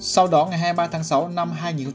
sau đó ngày hai mươi ba tháng sáu năm hai nghìn hai mươi